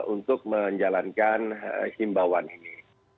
untuk menjalankan himbawan ini